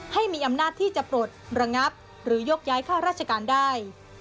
ให้มีอำนาจที่จะปลดระงับหรือยกย้ายค่าราชการได้